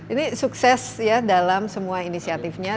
ini sukses ya dalam semua inisiatifnya